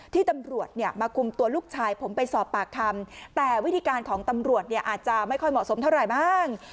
ตำรวจเนี่ยมาคุมตัวลูกชายผมไปสอบปากคำแต่วิธีการของตำรวจเนี่ยอาจจะไม่ค่อยเหมาะสมเท่าไหร่บ้าง